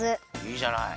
いいじゃない。